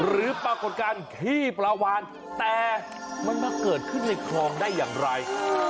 ปรากฏการณ์ขี้ปลาวานแต่มันมาเกิดขึ้นในคลองได้อย่างไร